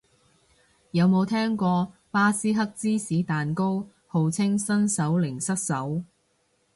有冇聽過巴斯克芝士蛋糕，號稱新手零失手